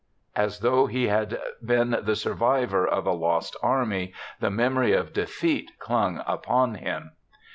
'* As though he had been the survivor of a lost army, the memory of defeat clung upon him.